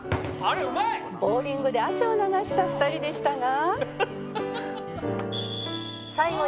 「ボウリングで汗を流した２人でしたが」